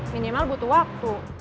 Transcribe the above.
minimal butuh waktu